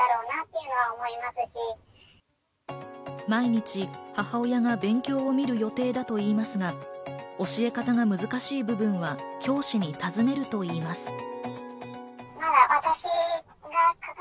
毎日、母親が勉強を見る予定だといいますが、教え方が難しい部分は教師に尋ねるといいます。